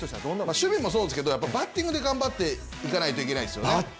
守備もそうですけれどもバッティングで頑張っていかないといけないですね。